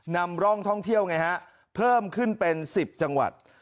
นำร่องท่องเที่ยวไงฮะเพิ่มขึ้นเป็น๑๐จังหวัด